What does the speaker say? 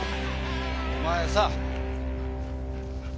お前さ。